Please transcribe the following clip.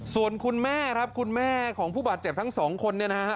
ส่วนคุณแม่ครับคุณแม่ของผู้บาดเจ็บทั้งสองคนเนี่ยนะฮะ